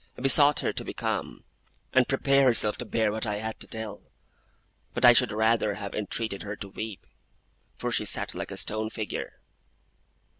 I besought her to be calm, and prepare herself to bear what I had to tell; but I should rather have entreated her to weep, for she sat like a stone figure.